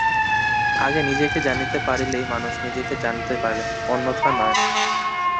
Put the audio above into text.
আগে নিজেকে জানিতে পারিলেই মানুষ নিজেকে জানিতে পারে, অন্যথা নয়।